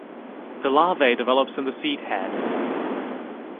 The larvae develops in the seed head.